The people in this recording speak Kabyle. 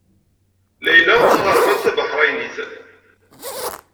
Layla d taɣermant tabaḥṛeynit.